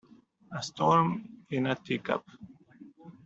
A storm in a teacup